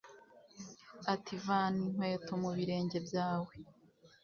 ati vana inkweto mu birenge byawe